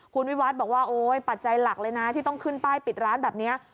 คุณวิวัฒน์บอกว่าโอ๊ยปัจจัยหลักเลยนะที่ต้องขึ้นป้ายปิดร้านแบบนี้